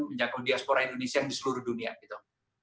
menyangkau diaspora indonesia yang di seluruh dunia gitu